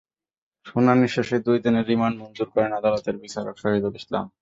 শুনানি শেষে দুই দিনের রিমান্ড মঞ্জুর করেন আদালতের বিচারক শহীদুল ইসলাম।